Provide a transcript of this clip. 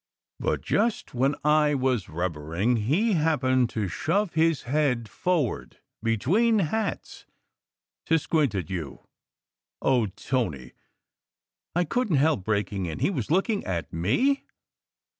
But just when I was rubbering, he happened to shove his head forward between hats to squint at you." " Oh, Tony !" I couldn t help breaking in. " He was look ing at me?"